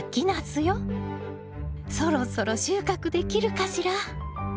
そろそろ収穫できるかしら？